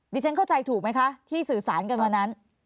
ฉันเข้าใจถูกไหมคะที่สื่อสารกันวันนั้น